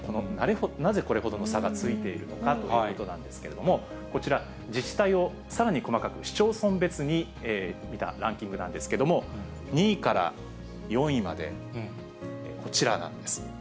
なぜこれほどの差がついているのかということなんですけれども、こちら、自治体をさらに細かく、市町村別に見たランキングなんですけれども、２位から４位まで、こちらなんです。